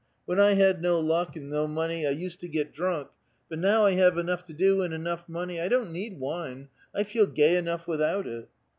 When I had no luck, and no monevi I used to get drunk ; but now I have enough to do, and enough money, I don't need wine ; I feel gay enough without it."